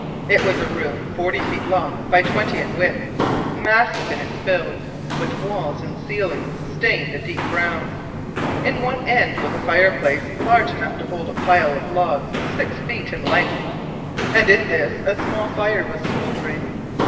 It was a room forty feet long by twenty in width, massive in its build, with walls and ceiling stained a deep brown. In one end was a fireplace large enough to hold a pile of logs six feet in length, and in this a small fire was smouldering.